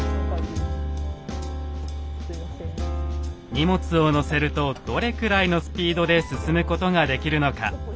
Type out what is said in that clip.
荷物を載せるとどれくらいのスピードで進むことができるのか。